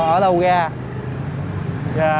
ở đâu ra